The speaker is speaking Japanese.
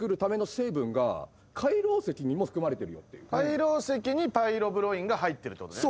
海楼石にパイロブロインが入ってるってことね。